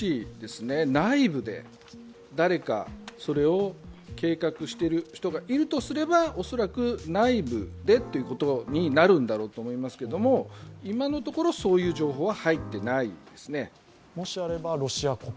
誰か、それを計画している人がいるとすれば、恐らく内部でということになるんだろうと思いますけど、今のところ、そういう情報は入ってないですね。